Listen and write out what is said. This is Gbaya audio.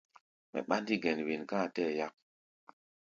Mɛ ɓándí gɛn wen ká a tɛɛ́ yak.